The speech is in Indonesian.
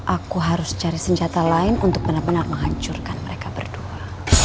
aku harus cari senjata lain untuk benar benar menghancurkan mereka berdua